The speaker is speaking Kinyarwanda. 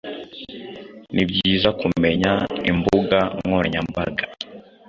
ni byiza kumenya imbuga nkoranyambaga